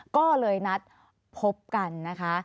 ก็เลยนัดพบกันนะคะ